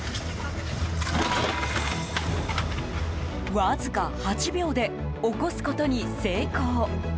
わずか８秒で起こすことに成功！